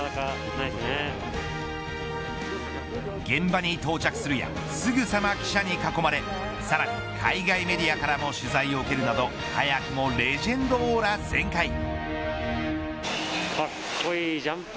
現場に到着するやすぐさま記者に囲まれさらに海外メディアからも取材を受けるなど早くもレジェンドオーラ全開。